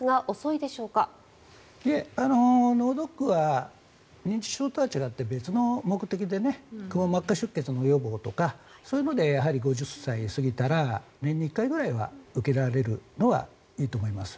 いえ、脳ドックは認知症とは違って別の目的でくも膜下出血の予防とかそういうので５０歳を過ぎたら年に１回ぐらいは受けられるのはいいと思います。